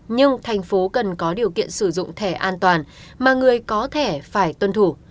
nhưng thành phố cần có điều kiện sử dụng thẻ an toàn mà người có thẻ phải tuân thủ